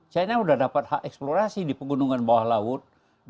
china sudah dapat hak eksplorasi di pegunungan bawah laut